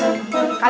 nah sunat itu apaan